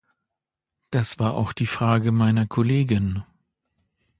Das war auch die Frage meiner Kollegin.